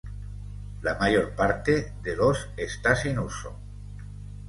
La mayor parte de los está sin uso.